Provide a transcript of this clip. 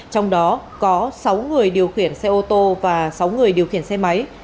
trong đó có sáu người điều khiển xe ô tô và sáu người điều khiển xe máy